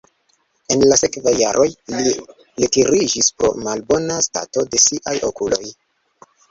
En la sekvaj jaroj li retiriĝis pro malbona stato de siaj okuloj.